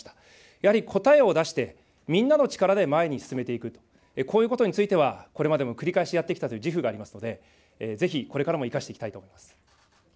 やはり答えを出して、みんなの力で前に進めていくと、こういうことについては、これまでも繰り返しやってきたという自負がありますので、ぜひこれからも生かしていきたいと思います。